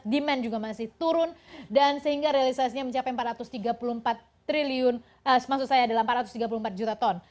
demand juga masih turun dan sehingga realisasinya mencapai empat ratus tiga puluh empat juta ton